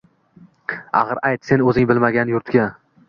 Axir, ayt, sen o‘zing bilmagan yurtga